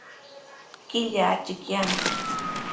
Killa achikyanmi.